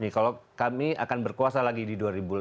kalau kami akan berkuasa lagi di dua ribu dua puluh